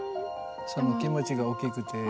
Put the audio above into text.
その気持ちが大きくて。